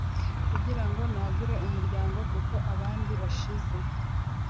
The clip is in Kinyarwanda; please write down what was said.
kugirango nagure umuryango kuko abandi bashize,